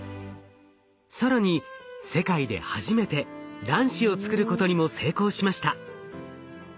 更に世界で初めて卵子を作ることにも成功しました。